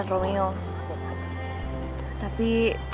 nama itu apa